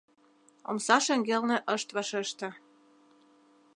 Омса шеҥгелне ышт вашеште.